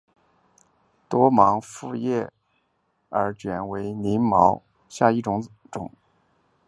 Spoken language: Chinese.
多芒复叶耳蕨为鳞毛蕨科复叶耳蕨属下的一个种。